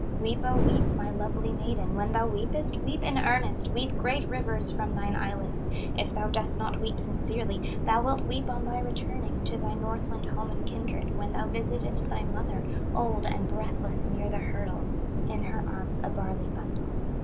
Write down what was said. "Weep, O weep, my lovely maiden, When thou weepest, weep in earnest, Weep great rivers from thine eyelids; If thou dost not weep sincerely, Thou wilt weep on thy returning To thy Northland home and kindred, When thou visitest thy mother Old and breathless near the hurdles, In her arms a barley bundle.